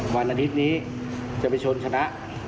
วันอาทิตย์นี้จะไปชนคณะ